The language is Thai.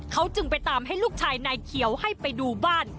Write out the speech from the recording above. เขาจึงไปตามให้ลูกชายนายเขียวให้ไปดูบ้าน